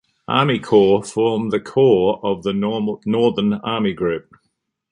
Army Corps formed the core of the Northern Army Group.